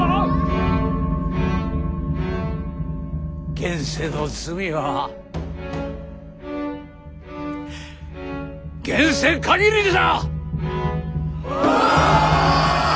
現世の罪は現世限りじゃ！